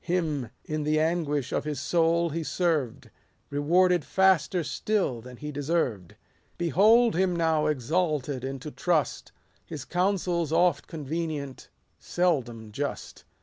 Him, in the anguish of his soul he served ; Rewarded faster still than he deserved. Behold him now exalted into trust ; His counsel 's oft convenient, seldom just.